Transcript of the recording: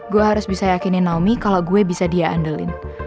gue harus bisa yakinin naomi kalau gue bisa dia andalin